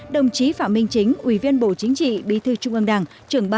đồng chí phạm minh chính ủy viên bộ chính trị bí thư trung ương đảng